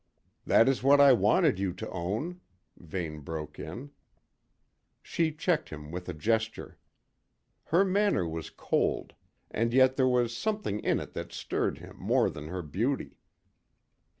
"That is what I wanted you to own," Vane broke in. She checked him with a gesture. Her manner was cold, and yet there was something in it that stirred him more than her beauty.